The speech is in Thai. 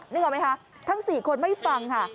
นึกออกไหมคะทั้ง๔คนไม่ฟังค่ะ